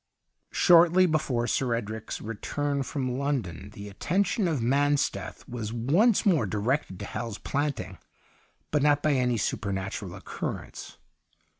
Shortly before Sir Edric's return from London, the attention of Man steth was once more directed to Hal's Planting, but not by any supei'natural occurrence.